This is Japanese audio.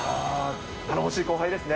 頼もしい後輩ですね。